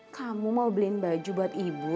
kamu mau beliin baju buat ibu